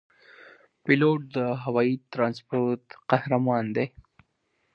پیلوټ د هوايي ترانسپورت قهرمان دی.